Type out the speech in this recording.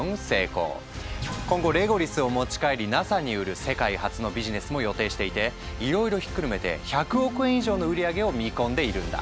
今後レゴリスを持ち帰りＮＡＳＡに売る世界初のビジネスも予定していていろいろひっくるめて１００億円以上の売り上げを見込んでいるんだ。